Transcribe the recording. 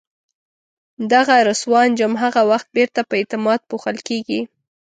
دغه رسوا انجام هغه وخت بیرته په اعتماد پوښل کېږي.